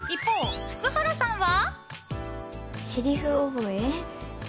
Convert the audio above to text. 一方、福原さんは？